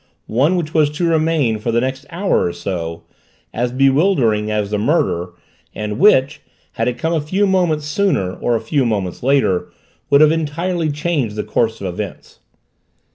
One which was to remain, for the next hour or so, as bewildering as the murder and which, had it come a few moments sooner or a few moments later, would have entirely changed the course of events.